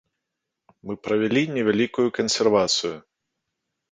Мы правялі невялікую кансервацыю.